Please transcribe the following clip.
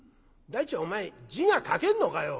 第一お前字が書けんのかよ！」。